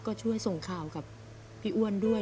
ก็ช่วยส่งข่าวกับพี่อ้วนด้วย